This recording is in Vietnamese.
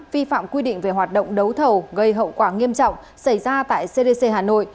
vi phạm quy định về hoạt động đấu thầu gây hậu quả nghiêm trọng xảy ra tại cdc hà nội